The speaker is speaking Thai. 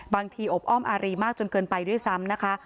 อบอ้อมอารีมากจนเกินไปด้วยซ้ำนะคะ